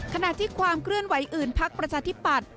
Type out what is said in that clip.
ขณะที่ความเคลื่อนไหวอื่นพักประชาธิปัตย